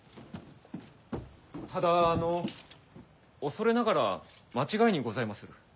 ただあの恐れながら間違いにございまする。